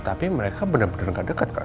tapi mereka bener bener nggak deket kan